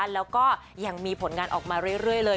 แล้วก็ยังมีผลงานออกมาเรื่อยเลย